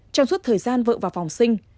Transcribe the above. trong suốt thời gian vợ vào phòng sinh